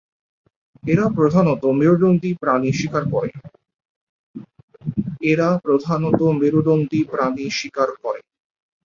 এরা প্রধানত মেরুদণ্ডী প্রাণী শিকার করে।